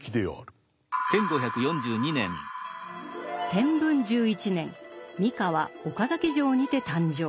天文１１年三河・岡崎城にて誕生。